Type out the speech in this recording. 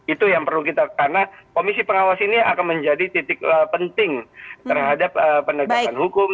itu yang perlu kita karena komisi pengawas ini akan menjadi titik penting terhadap penegakan hukum